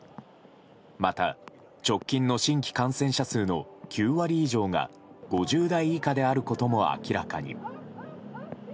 また、直近の新規感染者数の９割以上が５０代以下であることも明らかに。